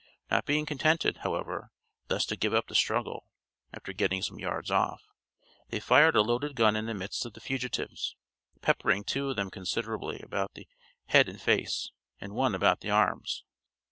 Not being contented, however, thus to give up the struggle, after getting some yards off, they fired a loaded gun in the midst of the fugitives, peppering two of them considerably about the head and face, and one about the arms.